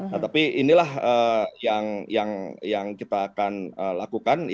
nah tapi inilah yang kita akan lakukan